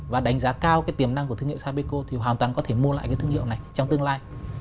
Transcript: và đánh giá cao cái tiềm năng của thương hiệu sapeco thì hoàn toàn có thể mua lại cái thương hiệu này trong tương lai